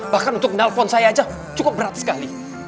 bahkan untuk menelpon saya aja cukup berat sekali